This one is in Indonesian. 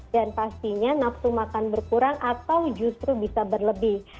dan pastinya nafsu makan berkurang atau justru bisa berlebih